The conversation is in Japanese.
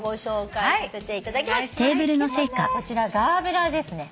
まずはこちらガーベラですね。